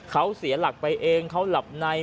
เขาเสียหลักไปเองเขาหลับใน